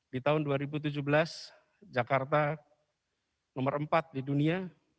di tahun dua ribu tujuh belas jakarta nomor empat di dunia